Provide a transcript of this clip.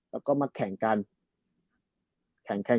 แล้วก็มาแข่งกัน